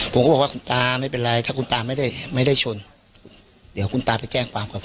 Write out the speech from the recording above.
ผมก็บอกว่าคุณตาไม่เป็นไรถ้าคุณตาไม่ได้ไม่ได้ชนเดี๋ยวคุณตาไปแจ้งความกับผม